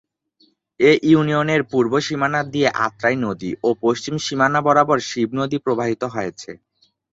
এ ইউনিয়নের পূর্ব সীমানা দিয়ে আত্রাই নদী ও পশ্চিম সীমানা বরাবর শিব নদী প্রবাহিত হয়েছে।